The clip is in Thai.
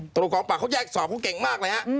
ตรวจกองปราบเขาแยกสอบเขาเก่งมากเลยฮะ